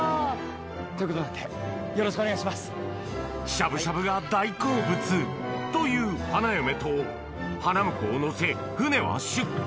しゃぶしゃぶが大好物という花嫁と花婿を乗せ船は出航